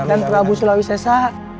dan prabu sulawis sesa